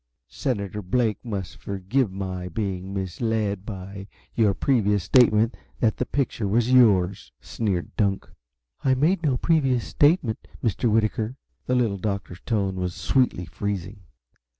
"Senator Blake must forgive my being misled by your previous statement that the picture was yours," sneered Dunk. "I made no previous statement, Mr. Whitaker." The Little Doctor's tone was sweetly freezing.